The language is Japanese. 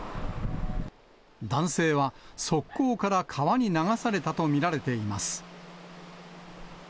男性は側溝から川に流されたと見られています。